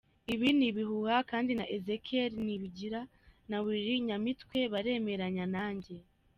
Ibi ni ibihuha kandi na Ezechiel Nibigira na Willy Nyamitwe baremeranya nanjye”.